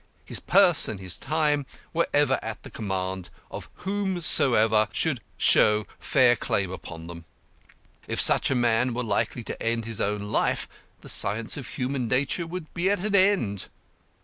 His purse and his time were ever at the command of whosoever could show fair claim upon them. If such a man were likely to end his own life, the science of human nature would be at an end.